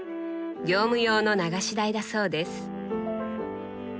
業務用の流し台だそうです。